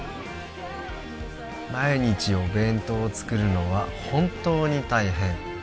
「毎日お弁当を作るのは本当に大変」